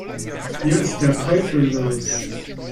Hier ist der Teufel los!